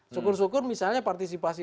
syukur syukur misalnya partisipasi